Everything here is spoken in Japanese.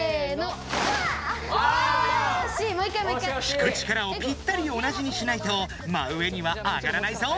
引く力をピッタリ同じにしないと真上には上がらないぞ。